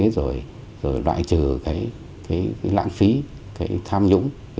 rồi loại trừ lãng phí tham nhũng